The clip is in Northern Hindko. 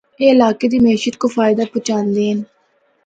اے علاقے دی معیشت کو بھی فائدہ پہنچاندے ہن۔